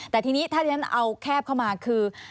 แต่ที่นี้ถ้าจริงแล้วเอาแคบเข้ามาคือ